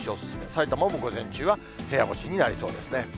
さいたまも午前中は部屋干しになりそうですね。